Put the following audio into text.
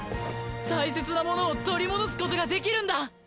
大切なものを取り戻すことができるんだ！